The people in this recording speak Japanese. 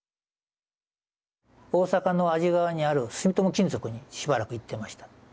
大阪の安治川にある住友金属にしばらく行ってました。